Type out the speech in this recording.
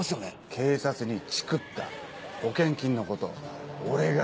警察にチクった保険金のこと俺が。